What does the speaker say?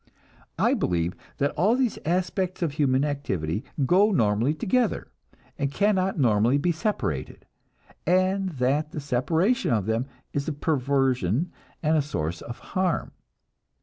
I believe that all these aspects of human activity go normally together, and cannot normally be separated, and that the separation of them is a perversion and source of harm.